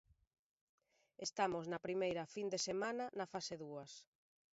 Estamos na primeira fin de semana na fase dúas.